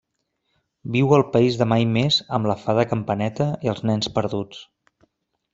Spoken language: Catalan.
Viu al País de Mai Més amb la fada Campaneta i els Nens Perduts.